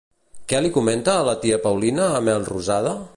Què li comenta la tia Paulina a Melrosada?